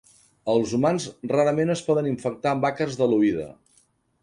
Els humans rarament es poden infectar amb àcars de l'oïda.